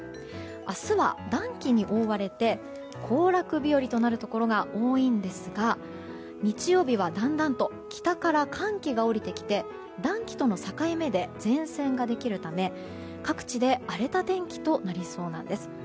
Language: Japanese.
明日は暖気に覆われて行楽日和となるところが多いですが日曜日はだんだんと北から寒気が下りてきて暖気との境目で前線ができるため各地で荒れた天気となりそうなんです。